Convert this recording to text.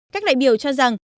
các đại biểu cho rằng